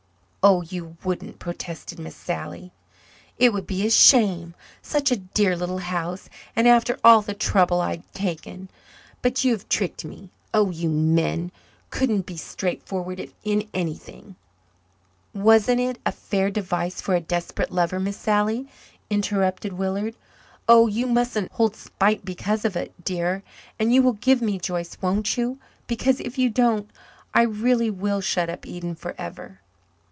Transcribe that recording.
"Oh, you wouldn't," protested Miss Sally. "It would be a shame such a dear little house and after all the trouble I've taken. But you have tricked me oh, you men couldn't be straightforward in anything " "Wasn't it a fair device for a desperate lover, Miss Sally?" interrupted Willard. "Oh, you mustn't hold spite because of it, dear; And you will give me Joyce, won't you? Because if you don't, I really will shut up Eden forever."